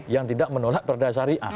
yang tidak menolak perdasyariya